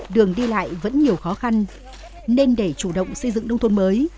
đường đi lại vẫn nhiều khó khăn nên để chủ động xây dựng nông thôn mới